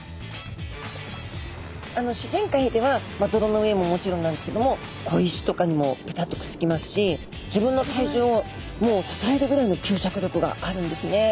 自然界では泥の上ももちろんなんですけども小石とかにもぺたっとくっつきますし自分の体重をもう支えるぐらいの吸着力があるんですね。